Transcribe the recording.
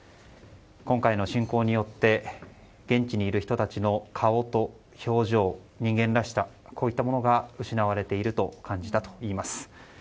今回の侵攻によって現地にいる人たちの顔や表情人間らしさなどが失われていると感じたといいます。